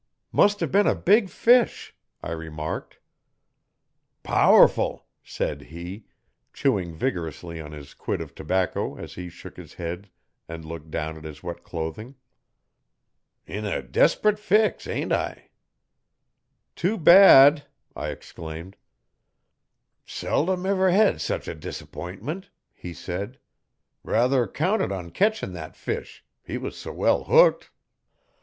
'Must have been a big fish,' I remarked. 'Powerful!' said he, chewing vigorously on his quid of tobacco as he shook his head and looked down at his wet clothing. 'In a desp'rit fix, ain't I?' 'Too bad!' I exclaimed. 'Seldom ever hed sech a disapp'intment,' he said. 'Ruther counted on ketchin' thet fish he was s' well hooked.'